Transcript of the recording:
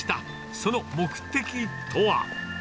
その目的とは。